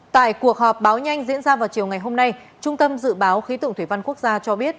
tại cuộc họp báo nhanh diễn ra vào chiều ngày hôm nay trung tâm dự báo khí tượng thủy văn quốc gia cho biết